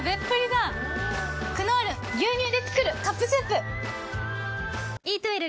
「クノール牛乳でつくるカップスープ」